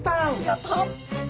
やった。